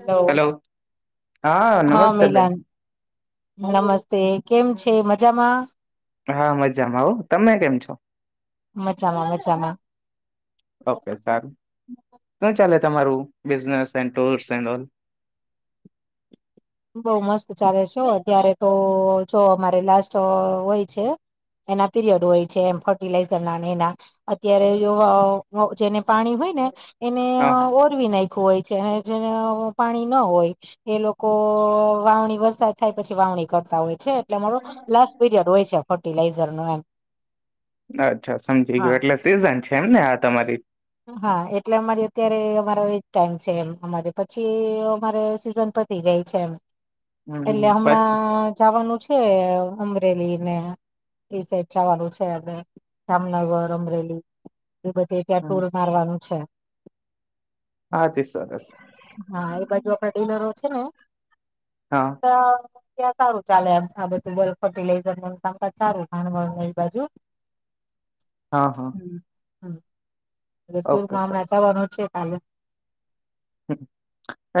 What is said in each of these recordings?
Hello હા નમસ્તે બેન મિલાન નમસ્તે કેમ છે મજામાં હા મજામાં આવું તમે કેમ છો મજામાં મજામાં ઓકે સારું શ ચાલે તમારું બિને ટ એ બઉ મસ્ત ચાલે છેો અત્યારે તો જો અમારે લાસ્ટ હોય છે એના પીરિયડ હોય છે એમ ફર્ટિલાઈઝર ના એના અત્યારે જો હ જેને પાણી હોય ને એને હ ઓરવી નાખ [unintelligible] જેને પાણી ન હોય એ લોકો [unintelligible] વાવણી વરસાત થાય પછી વાવણી કરતા હોય છે એટલે અમારો લાસ્ટ પીરિયડ હોય છે ફર્ટિલાઝ જઝર નો એમ અચ્છા સમજી હા ગયયો એટલે [unintelligible] કેમ ને આ તમારી હા એટલે અમારે અત્યારે અમારો એ ટાઈમ છે એમ અમારે પછી અમારે સીઝન પતી જાય છે એમ હમ એટલે પછી હમણાં જવાનું છે અમ અમરેલી ને એ સાઈડ જવાનું છે અને જામનગર અમરેલી એ બધી ટુર મારવાનું છે હા તે સરસ હા એ બાજુ આપ ડિલરો છે ને હા ત ત્યાં સારું ચાલે એમ આ બધું ફર્ટિલાઈઝર કામકા સારું [unintelligible] બાજુ હા હા હમ ઓકે [unintelligible] છે કાલે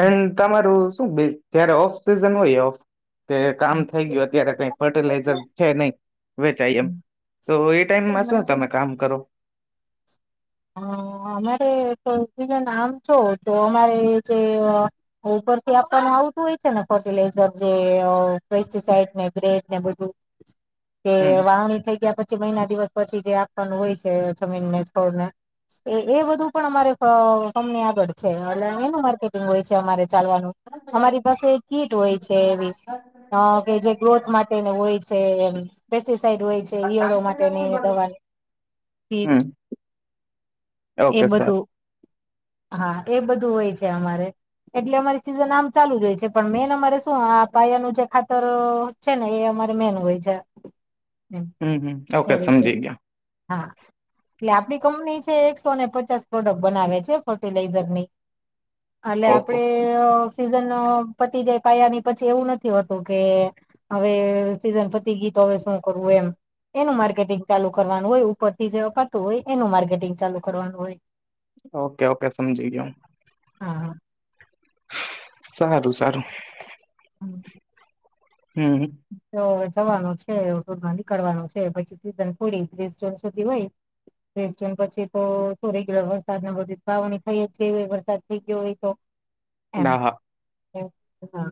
એ તમારું શું જય્યારે ઓફ સિઝન હોય ઓફ કે કામ થઈ ગયું અત્યારે કઈ ફર્ટિલાઈઝર છે ન‌ઈ વેચાય એમ હમ્મ. તો એ ટાઈમમાં શું તમે કામ કરો હ અમારે તો નામ છો તો અમારે જે હું ઉપરથી આપવા આવુ હું હોય છે ને ફર્ટિલાઈઝર જે પેસ્ટીસાઈડ ને બ્રેડ ને બધું [inaudible] કે હમ વાવણી થઈ ગયા પછી પછી મહિના દિવસ પછી જે આપવાનું હોય છે જમીન ને છોડને એ એ બધું પણ અમારે કંપની આગળ છે એટ એનું માર્કેટિંગ હોય છે અમારે. ચાલવાનું અમારી પાસે કીટ હોય છે એવી કે જે ગ્રોથ માટેને હોય છે, પેસ્ટિસાઈડ હમ હોય છે ઈયરો માટે ની દવા કીટ એ ઓકે સા બધું હા એ બધું હોય છે અમારે એટલે અમારી સીઝન આમ ચાલુ જ હોય છે, પણ મેન અમારે શું આ પાયાનું જે ખાતરો છે ને એ અમારે મેન હોય છે એમ હમ હમ ઓકે એ રીતે સમજી ગયા હા એટલે આપણી કંપની જ એક સોને પચાસ પ્રોડક્ટ બનાવે છે હં ફર્ટિલાઈઝરની. આટલે ઓહો આપડે અ સીઝન પતી જાય પાયાની પછી એવું નથી હોતું, કે હવે સીઝન પ તી ગઈ તો હવે શું કરવું એમ, એનું માર્કેટિંગ ચાલુ. કરવાનું હોય ઉપરથી જે અપાતું હોય, એનું માર્કેટિંગ ચાલુ. કરવાનું હોય. ઓકે, ઓકે, સમજી ગ્યો. હા સારું સારું. હમ્મ. તો હવે જવાનું છે, ટૂરમાં નીકળવાનું છે, પછી સીઝન પૂરી ત્રીસ જૂન સુધી હોય, ત્રીસ જૂન પછી તો શું રેગ્યુલર વ રસાદ ને બધી વાવણી થઈ ય જ ગઈ હોય, વરસાદ થઈ ગ્યો હોય તો. ના, હા હા.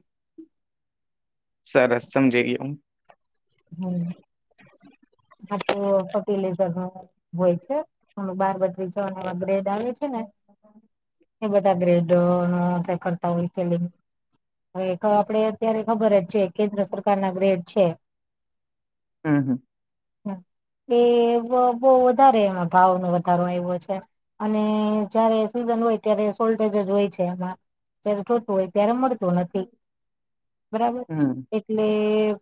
સરસ, સમજી ગ્યો હું. હમ આ તો ફર્ટિલાઈઝર નો હોય છે, [unintelligible] એવા ગ્રેડ આવે છે ને. એ બધા ગ્રેડનું આપડે કરતા હોય સેલિંગ. હવે એ તો આપડે અત્યારે ખબર જ. છે, કેન્દ્ર સરકાર ના ગ્રેડ છે. હમ્મ હમ્મ. એ બ બહુ વધારે એમાં ભાવનો વધારો આયવો છે, અને જયારે સીઝન હોય ત્યારે સોલ્ટેજ જ હોય છે એમાં જ્યારે ટુ હોય ત્યારે મળતું નથી. બરાબર, હમ એટલે.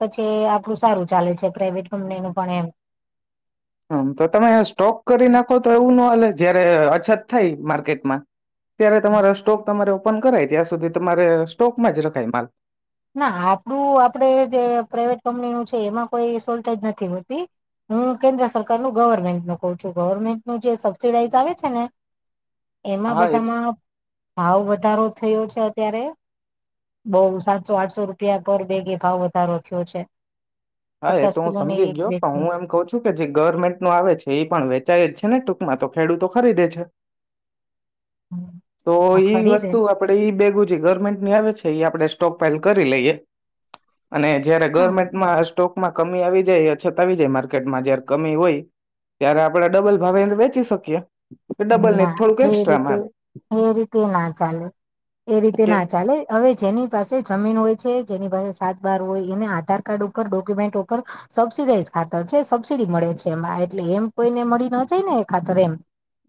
પછી આપડું સારું ચાલે છે, પ્રાાઈવેટ કંપનીનું. પણ એમ. હં, તો તમે સ્ટોક કરી નાખો, તો એવું નો હાલે? જયારે અછત થાય, માર્કેટમાં ત્યારે તમારા સ્ટોક તમારે ઓપન કરાય, ત્યાં સુધી તમારે સ્ટોકમાં જ રખાય માલ. ના આપડું આપડે જે પ્રાઈવેટ કંપનીનું છે એમાં કોઈ સોલ્ટેજ નથી હોતી. હું કેન્દ્ર સરકારનું ગવર્મેન્ટનું કહું છું. ગવર્મેન્ટનું જે સબસિડાઈઝ આવે છે ને એમાં હા એ બધામાં ભાવ વધારો થયો છે, અત્યારે બહુ સા તસો આઠસો રૂપિયા પર બેગે ભાવ વધારો થ્યો છે. હા, એ પચાસ તો હું કિલો ને સમજી એક ગ્યો. બેગ પણ હું એમ કઉં છું, કે જે ગવર્મેન્ટનું આવે છે, એ પણ વેચાય જ છે ને ટ માં તો ખેડૂતો ખરીદે છે. તો હા ઈ ખરીદે વસ્તુ આપડે, ઈ બેગું છે ગવર્મેન્ટની આવે છે ઈ આપડે સ્ટોક પાઇલ કરી લઈએ અને જયારે હા ગવર્મેન્ટમાં આ સ્ટોક માં કમી આવી જાય અછત આવી જાય માર્કેટમાં જયારે કમી હોય ત્યારે આપડ ડબલ ભાવે વેચી શકીએ ડબલ નહી ના થોડુંક એ એક્સ્ટ્રા રીતે મા એ રીતે ના ચાલે એ રીતે ના કેમ ચાલે હવે જેની પાસે જમીન હોય છે જેની પાસે સાત બાર હોય એને આધાર કાર્ડ ઉપર ડોક્યુમેન્ટ ઉપર સબસડાઈઝ ખાતર છે સબસિડી મળે છે એ એટલે એમ કોઈને મળી ન જાય ને એ ખાતર એમ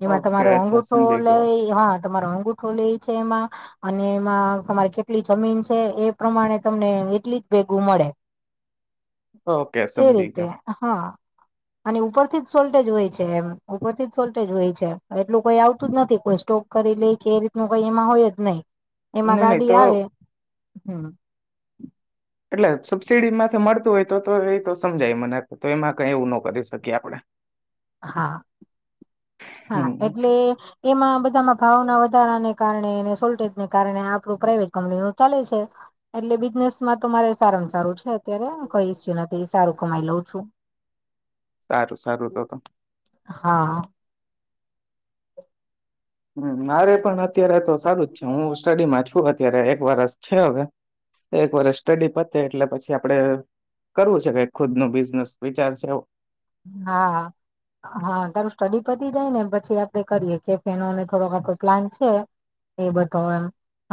એમાં ઓકે તમારો અચ્છા અંગુઠો સમજી ગયો લઈ હા તમારો અંગૂઠો લે છે એમાં અને એમાં તમારી કેટલી જમીન છે એ પ્રમાણે તમને એટલી જ ભેગું મળે ઓકે એ સમજી રીતે ગયો હા અને ઉપરથી જ સોલ્ટેજ હોય છે એમ ઉપરથી જ સોલ્ટ હોય છે એટલું કોઈ આવતું જ નથી કોઈ સ્ટોક કરી લ કે એ વહીમા હોય જ નહી એમાં નઈ નહી ગાડી તો આવે હમ એટલે સબસીિડી માંથી મળતું હોય તો તો એતો સમજાય મને તો એમાં કઈ એવું ન કરી શકીએ આપડણે હા હા હમ એટલે એમાં બધામાં ભાવના વધારાને કારણે સોલ્ટેજને કારણે આપણું પ્રાઈવેટ કંપની નું ચાલે છે એટલે બિઝનેસમાં તો મારે સારું ને સારું છે અત્યારે કઈ ઈસ્યુ નથી સારું કમાઈ લઉં છું સારું સારું તો હા હમ્મ મારે પણ અત્યારે તો સારું જ છે હું સ્ટડીમાં છું અત્યારે એક વરસ છે હવે. એક વરષ સ્ટડી પતે એટલે પછી આપડે કરવું છે કે ખુદ નું બિઝનેસ વિચાર છે આવું. હા હા હા તારું સ્ટડી પતી જાય ને પછી આપડે કરીયએ કે કે એનોને થોડોક આખો પ્લાન છે એ બધોમ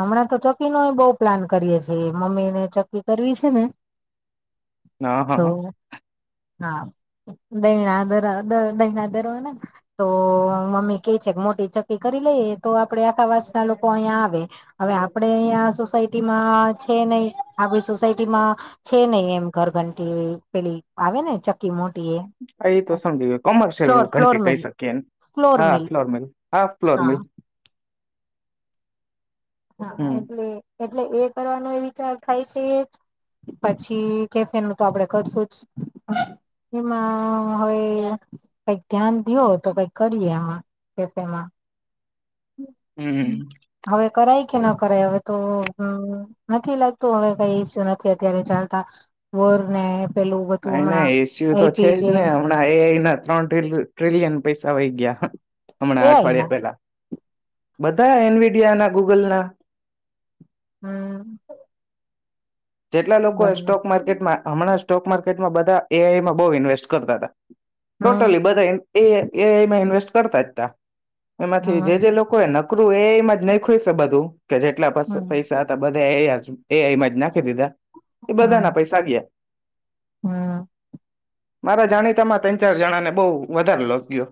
હમણાં તો ચક્કી નય બહ પ્લાન કરીએ છે મમ્મી ને ચક્કી કરવી છે ને હા, તો હા. હા. દહીણા દરા દહીણા ધરવાના તો અહ મમ્મી કે છે કે મોટી ચક્કી કરી લઈએ તો આપડે આ તા વાસ ના લોકો અહીંયા આવે. હવે આપડે અહીયા સોસાયટીમાં છે નહી આપડી સોસાયટીમાં છે નહી એમ ઘર ઘ કે પેલી આવે ને ચક્કી મો એ તો સમજી કોમર્શિયલ ફ્લોર ફ્લોર ઘંન્ટ્રી કહી મિલ શકીએ એ ફ્લોર હા મિલ ફ્લોરમિલ હા ફ્લોરમિલ હા હમ એટલે એટલે એ કરવાનો એ વિચાર થાય છે એ પછી કેફે નું તો આપડે કરશું જ. એમાં હવે કઈક ધ્યાન દો તો કઈક કરીએ આમાં કેફેમાં. હમ હવે કરાય કે ના કરે હવે તો હમ્મ નથી લાગતું હવે કઈ ઇસુએ નથી અત્યારે ચાલતા બોર ને પેલું બધું નહીં હમણાં નહીં એ સી યુ તો છે જ એલપીજી ને હમણાં એ ના ત્રણ ટ્રિ-ટ્રિલિયન પૈસ સવાઈ ગયા એ હમણાં આઈ ના અઠવાડિયા પહેલા. બધા એન વીડિયા ના ગૂગલ ના. હમ્મ. જેટલા લોકો એ સ્ટોક માર્કેટમાં હમણાંજ સ્ટોક માર્કેટમાં બધા એ આઈ માં બહુ ઇન્વેસ્ટ કરતા તા. હમ ટોટલી બધા એ એ આઈ માં ઇન્વેસ્ટ કરતાય તા. એમાંથી જે હમ જે લોકો એ નકરું એમાં જ નહીં ખુઈશે બધું. કે જેટલા હમ પૈસા હતા બ ધા એ હાજે. એ આઈ માંજ [inaudible] ઈ બધા ના હમ પૈસા ગિયા. હમ મારા જાણીતામાં ત્રણ ચાર જણા ને બહુ વધારે લોસ ગયો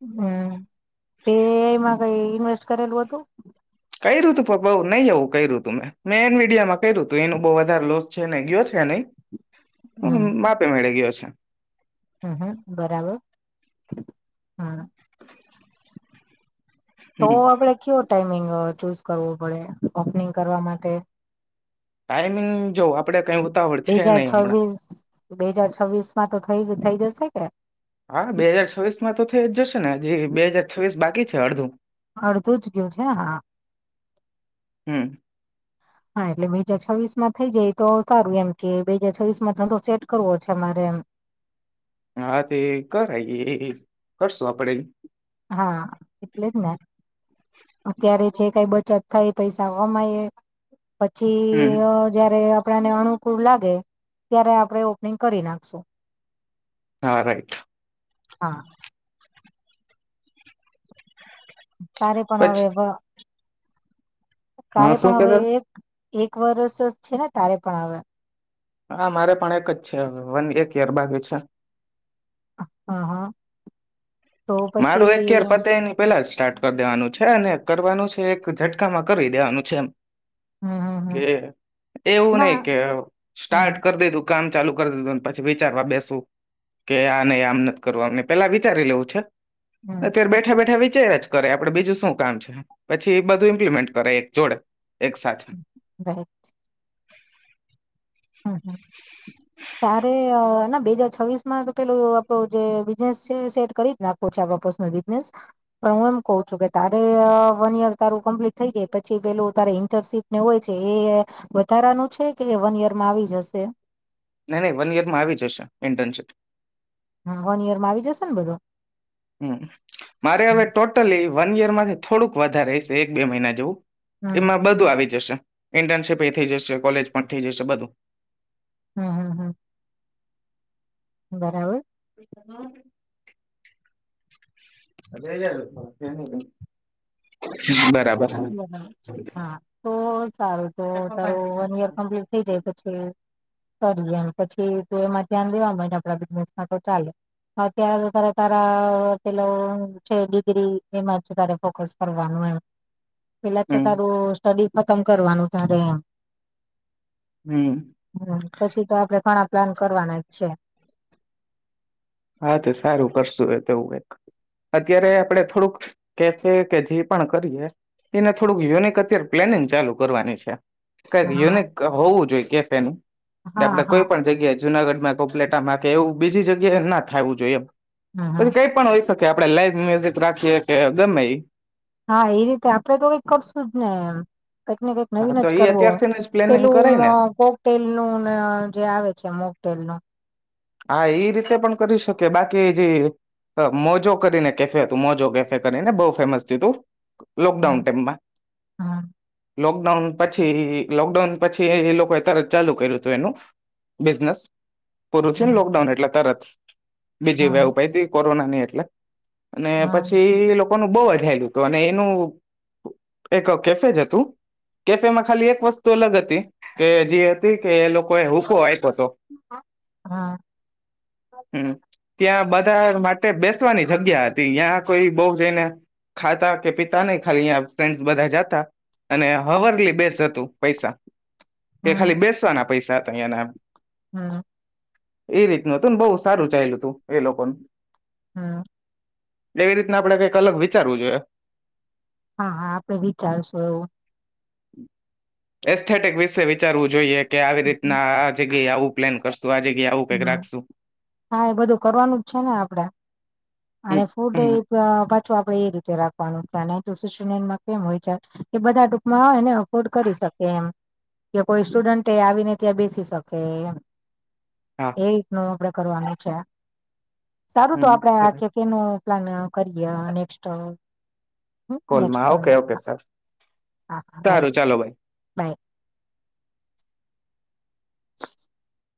હમ્મ. તે મા કઈ ન્વેસ્ટ કરેલું હતું? ક્યું તું પપ્પ નહી એવું ક્યું હતું મેં મેન મીડિયામાં ક્યું તું એનું બઉ વધારે લોસ છે ને ગયો છે નહી. અમ્મ માપે મેળી ગયો છે. હમ્મ, હમ્મ બરાબર. હમ્મ. તો હમ આપડે કેઓ ટાઈમિંગ અહ ચૂઝ કરવો પડે, ઓપનિંગ કરવા માટે? ટાઈમિંગ જો આપ બે હજાર છ્વીસ બે હાજાર છવ્વીસમાં તો થઈ થઈ જશે કે હા બે હાજાર છોવીસ માં તો થઈ જ જશે બે હજાર છ્વીસ બાકી અાધું અડધું જ ગયું છે હા હમ હા એટલે બીજા છવવીસ માં થઈ જાય તો સારું એમ કે બે હાજર છવવીસ માં ધ સેટ કરવો છે અમારે એમ હા તે કર આ કરશું આપડે હા એટલે જ ને અત્યારે જે કઈ બચત થઈ પૈસા કમાય પછી હમ જયારે આપને અનુકૂળ લાગે ત્યારે આપણે ઓપનિંગ કરી નાખશું હા રાઈટ હા તારે પણ પછી હવે હા તારે શું પણ હવે કેતા એક એક વરષ છે ને તારે પણ આવે. હા મારે પણ એક જ છે, વન એક યર બાકી છે. હા-હા. માડું એક ખાર પતેય નની પેલા જ સ્ટાર્ટ કરી દેવાનું છે અને કરવાનું છે એક ઝટકામાં કરી દેવાનું છે એમ હમ હમ કે હમ એવું નહ ના કે સ્ટાર્ટ હમ કરી દેધું. કામ ચાલુ કરી દીધું પછી વિચારવા બેસું કે આ નને આમ નથી કરવુંમ પેલા વિચારી લેવું છે. હમ અત્યારે બેઠા બેઠા વ ચેર જ કરે આપડે બીજું શું કામ છે પછી એ બધું ઇમ્પ્લિમેન્ટ કરે એક જોડે. એક સાથે રાઈટ હમ્મ-હમ્મ તારે બે હજાર છવ્વીસ માં તો પેલું આપણું જે બિઝનેસ છે સેટ કરી જ નાખવ છે આપ પર્સનલ બિઝનેસ પણ હું એમ કઉ છું કે તારે વન યર તારું કમ્પ્લીટ થઈ ગાય પછી પેલું તારે ઈન્ટર્નશીપ ને હોય છે એ વધારાનું છે કે વન યર આવી જશે નહી નહી વન ઈયર માં આવી જશે. ટચ વન યર માં આવી જશે ને બધું હમ મારે હવે હમ ટોટલી વન યર માંથી થોડુંક વધારે હશે એક બે મહિના જેવું. હમ એમાં બધું આવી જશે. ઇન્ટર્નશીપ એ થઈ જશે કોલેજ પણ થઈ જશે બધું હમ્મ-હમ્મ. હમ્મ. બરાબર. હ. બરાબર. બરાબર હા તો સારું તો તારું વન યયર કમ્પ્લીટ થઇ જાય, પછી કરી એમ પછી ત એમાં ધ્યાન દેવા આપડા બિઝનેસમાં તો ચાલે અત્યારે ત તારા પેલા છે ડિગ્રી એમાં તારે ફોકસ કરવાનું એમ પેલા છે હમ તારું સ્ટડી ખતમ કરવાનું તારે એમ હમ હમ પછી તો આપડે ઘણા પ્લાન કરવાના છે. હા તો સારું કરશું એ તોવું એક અત્યારે આપડે થોડુંક કેફે કે જે પણ કરી એને થોડુંક યુનિક અત્યારે પ્લેનિંગ ચાલુ કરવાની છે. કઈક હા યુનિક હોવું જોઈએ કેફે નું કે હા આપડે હા કોઈ પણ જગ્યા જુનાગઢ માં કોપલેટામાં કે એવું બીજી જગ્યાએ ના થવું જોઈએ એમ હમ્મ પછી હમ્મ કઈ પણ હોય. તો કે આપણે લાઈવ મ્યુઝિક રાખીએ કે ગમે ઈ હા એ રીતે આપણે તો કઈક કરશું જ ને એમ કંઈક ને કંઈક હા નવીન તો જ એ કરવો અત્યારથીને જ પ્લેનિંગ કરે પેલું ને કોકટેલ નું ને જે આવે છે મોકટેલનું હા એ રીતે પણ કરી શકે બાકી જે અ મોજો કરીને કેફે હતું મોજો કેફે કરીને બહુ ફેમસ થયું તું લોકડાઉન હમ્મ ટાઈમમાં હમ્મ લોકડાઉન પછી લોકડાઉન પછી એ લોકોએ તરત ચાલુ કર્યું તું એનું બિઝનેસ પૂરું થયું ને હમ્મ લોકડાઉન એટલે તરત બીજી વેવ હમ્મ પઈતી કોરોના ની એટ લે અને હમ્મ પછી ઈ લોક કોનું બઉ જ હાયલું તું અને એનું એક કેફેજ હતું કેફેમાં ખાલી એક વસ્તુ અલગ હતી કે જે હતી કે એ લોકોએ હૂકો આપ્યો તો તો હમ્મ હમ ત્યાં બધા માટે બેસવાની જગ્યા હતી. યાં કોઈ બહુ જઈને ખાતા કે પીતા નહી ખાલી ઈયા ફ્રેન્ડસ બધાં જાતા અને હવરલી બેઝ હતું પૈસા તે ખાલી બેસવાના પૈસા થાતા ઈયા ના એમ હમ એ રીતનું હતું. ને બહુ સારું ચાયલું તું એ લોકોનું હમ એવી રીતના આપણે કંઈક અલગ વિચારવું જોઈએ. હા હા આપણે વિચારશું એવું એસ્થેટિક વિશે વિચારવું જોઈએ. કે આવી રીતના આ જગ એ આવું પ્લાન કરશું. આ જગ્યાએ આવું કઈક હમ રાખશું હા એ બધું કરવાનું જ છે ને આપણે હમ અને ફૂડ એ હમ પાછું આપડે એ રીતે રાખવાનું છે અને એતો [inaudible] કેમ હોય છે કે બધા ટૂંકમાં આવે ને અકવર્ડ કરી શકે એમ કે કોઈ સ્ટુડન્ટ એ આવીને ત્યાં બેસી શકે એમ હા એ રીતનું આપડે કરવાનું છે. સારું તો હમ આપડે આ અ પ્લાન કરીએ અ નેક્સ્ટ હહ હહ ઓકે કોલમાં ઓકે હા સર હા હા બાય સારું ચાલો ભાઈ બાય